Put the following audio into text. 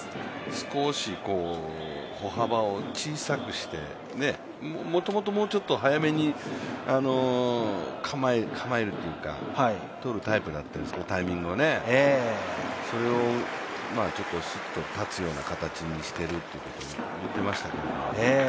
少し歩幅を小さくして、もともともうちょっと早めに構えるというか、タイミングをとるタイプだったんですけどそれをすっと立つような形にしているということを言ってましたけど。